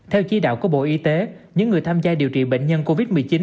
theo chỉ đạo của bộ y tế những người tham gia điều trị bệnh nhân covid một mươi chín